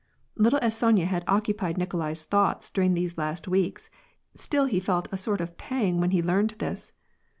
Little as Sonya had occupied Nikolai's thoughts during these last weeks, still he felt a sort of pang when he learned this.